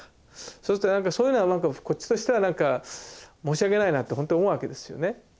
そうするとそういうのはこっちとしてはなんか申し訳ないなってほんと思うわけですよね。